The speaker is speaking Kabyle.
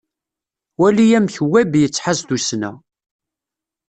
Wali amek web yettḥaz tussna.